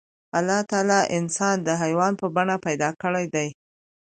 الله تعالی انسان د حيوان په بڼه پيدا کړی دی.